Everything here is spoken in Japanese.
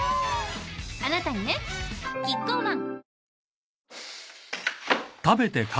あなたにねキッコーマン